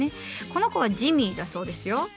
この子はジミーだそうですよ。